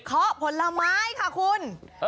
เขาผลไม้ค่ะคุณ